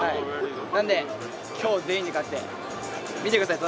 なんで、今日、全員で勝って見てください、隣。